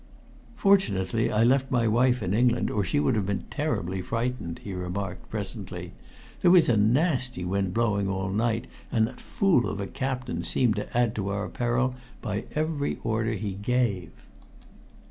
"Fortunately, I left my wife in England, or she would have been terribly frightened," he remarked presently. "There was a nasty wind blowing all night, and the fool of a captain seemed to add to our peril by every order he gave."